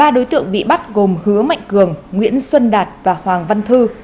ba đối tượng bị bắt gồm hứa mạnh cường nguyễn xuân đạt và hoàng văn thư